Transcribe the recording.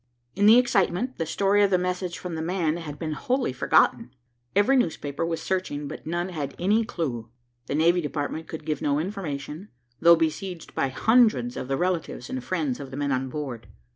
In the excitement, the story of the message from the man had been wholly forgotten. Every newspaper was searching, but none had any clue. The Navy Department could give no information, though besieged by hundreds of the relatives and friends of the men on board.